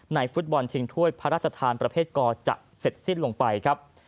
ฟุตบอลชิงถ้วยพระราชทานประเภทกอจะเสร็จสิ้นลงไปครับ